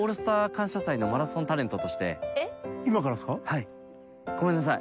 はいごめんなさい。